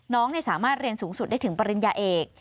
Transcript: น้องสามารถเรียนสูงสุดได้ถึงปริญญาเอก